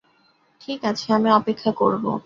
ঠিক আছে, আমি অপেক্ষা করব।